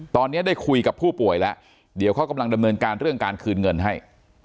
ตอนนี้ได้คุยกับผู้ป่วยแล้วเดี๋ยวเขากำลังดำเนินการเรื่องการคืนเงินให้